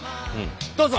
どうぞ！